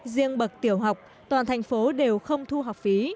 riêng bậc tiểu học toàn thành phố đều không thu học phí